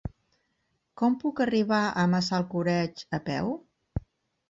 Com puc arribar a Massalcoreig a peu?